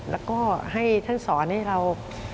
แล้วก็ให้ท่านสอนให้เรา